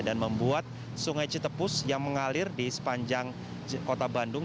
dan membuat sungai cetepus yang mengalir di sepanjang kota bandung